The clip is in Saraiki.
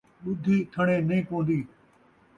ݙدھی تھݨیں نئیں پون٘دی